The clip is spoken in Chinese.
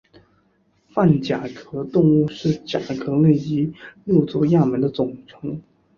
泛甲壳动物是甲壳类及六足亚门的总称。